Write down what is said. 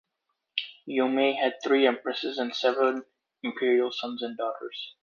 Yomei had three Empresses and seven Imperial sons and daughters.